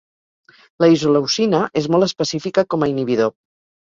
La isoleucina és molt específica com a inhibidor.